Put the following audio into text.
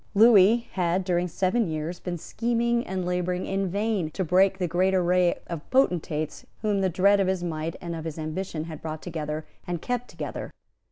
Lewis had, during seven years, been scheming and labouring in vain to break the great array of potentates whom the dread of his might and of his ambition had brought together and kept together.